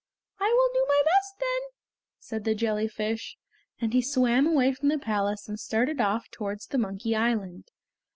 "I will do my best then," said the jellyfish, and he swam away from the palace and started off towards the Monkey Island.